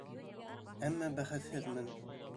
Әммә бәхетһеҙмен.